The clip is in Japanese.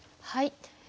はい。